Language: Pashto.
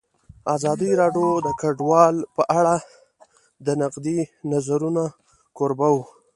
ازادي راډیو د کډوال په اړه د نقدي نظرونو کوربه وه.